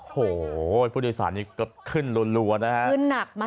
โอ้โหผู้โดยสารนี้ก็ขึ้นรัวนะฮะขึ้นหนักมาก